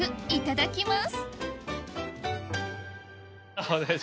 いただきます。